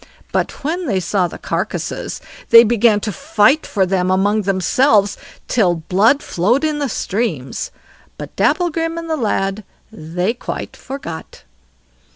But when they saw the carcasses, they began to fight for them among themselves till blood flowed in streams; but Dapplegrim and the lad they quite forgot.